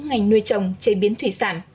ngành nuôi trồng chế biến thủy sản